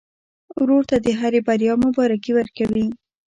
ورور ته د هرې بریا مبارکي ورکوې.